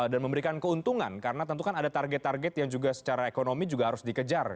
dan memberikan keuntungan karena tentu kan ada target target yang juga secara ekonomi juga harus dikejar